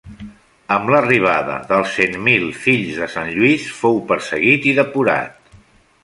Amb l'arribada dels Cent Mil Fills de Sant Lluís fou perseguit i depurat.